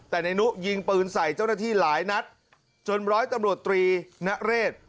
แต่นายนุยิงปืนใส่เจ้าหน้าที่หลายนัดจนร้อยตำรวจตรีนเรศ